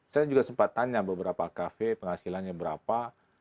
saya juga sempat tanya beberapa kafe penghasilannya berapa